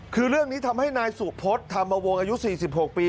คือเรื่องนี้ทำให้นายสุพศธรรมวงศ์อายุ๔๖ปี